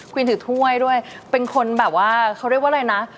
วินถือถ้วยด้วยเป็นคนแบบว่าเขาเรียกว่าอะไรนะ